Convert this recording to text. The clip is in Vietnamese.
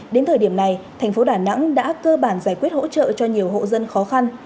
đến thời điểm này thành phố đà nẵng đã cơ bản giải quyết hỗ trợ cho nhiều hộ dân khó khăn